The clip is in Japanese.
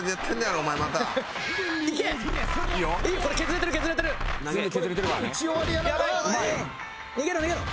おい逃げろ逃げろ！